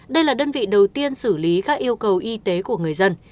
đây là đơn vị đầu tiên xử lý các yêu cầu y tế của người dân